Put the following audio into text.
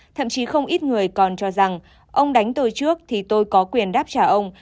thậm chí không ít người còn cho rằng ông đánh từ trước thì tôi có quyền đáp trả ông